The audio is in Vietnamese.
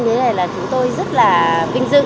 thế này là chúng tôi rất là vinh dự